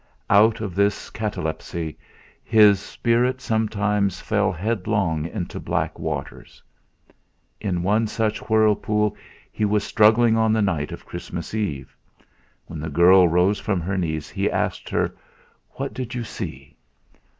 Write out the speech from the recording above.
Out of this catalepsy, his spirit sometimes fell headlong into black waters. In one such whirlpool he was struggling on the night of Christmas Eve. When the girl rose from her knees he asked her: "What did you see?"